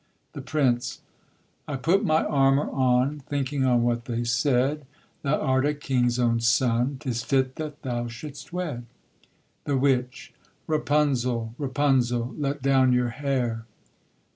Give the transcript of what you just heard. THE PRINCE. I put my armour on, Thinking on what they said: 'Thou art a king's own son, 'Tis fit that thou should'st wed.' THE WITCH. Rapunzel, Rapunzel, Let down your hair!